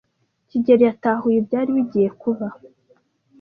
kigeli yatahuye ibyari bigiye kuba.